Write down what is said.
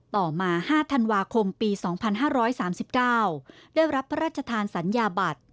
ต่อมา๕ธันวาคมปี๒๕๓๙ได้รับพระราชทานสัญญาบัตร